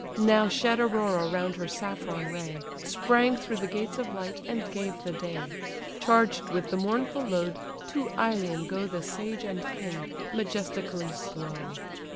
Now shed Aurora round her saffron ray, Sprang through the gates of light, and gave the day: Charged with the mournful load, to Ilion go The sage and king, majestically slow.